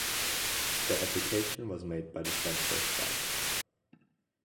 The application was made by the Central club.